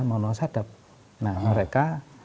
manuasadap nah mereka